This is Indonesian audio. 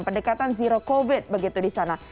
pendekatan zero covid begitu di sana